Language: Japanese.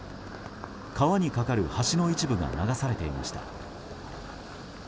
川に架かる橋の一部が流されていました。